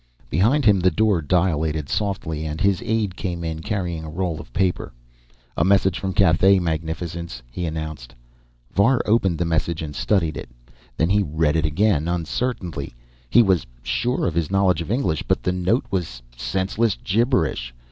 Behind him, the door dilated softly and his aide came in, carrying a roll of paper. "A message from Cathay, magnificence," he announced. Var opened the message and studied it. Then he read it again, uncertainly. He was sure of his knowledge of English, but the note was senseless gibberish.